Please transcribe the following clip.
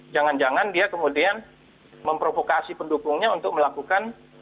jangan jangan dia kemudian memprovokasi pendukungnya untuk melakukan